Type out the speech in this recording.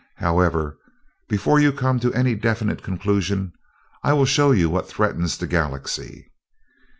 However, before you come to any definite conclusion, I will show you what threatens the Galaxy."